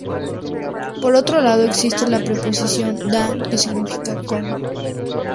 Por otro lado, existe la preposición "dan" que significa "con".